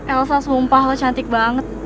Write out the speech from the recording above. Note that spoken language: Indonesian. elsa sumpah lo cantik banget